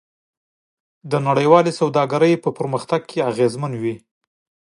دا نړیوالې سوداګرۍ په پرمختګ کې اغیزمن وي.